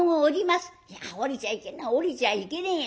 「いや降りちゃいけねえ降りちゃいけねえよ。